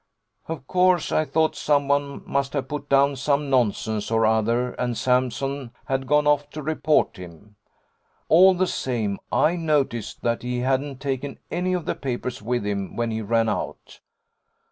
Of course I thought someone must have put down some nonsense or other, and Sampson had gone off to report him. All the same, I noticed that he hadn't taken any of the papers with him when he ran out.